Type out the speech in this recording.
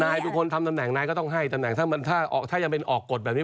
นายทุกคนทำตำแหน่งนายก็ต้องให้ถ้ายังเป็นออกกฎแบบนี้